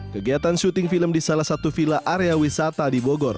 kegiatan syuting film di salah satu villa area wisata di bogor